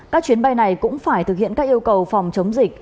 các chuyến bay này cũng phải thực hiện các yêu cầu phòng chống dịch